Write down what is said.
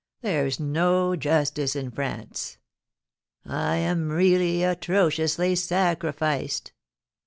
There's no justice in France; I am really atrociously sacrificed."